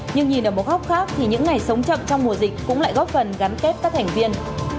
nhưng nhìn ở một góc khác thì những ngày sống chậm trong mùa dịch cũng lại góp phần gắn kết các thành viên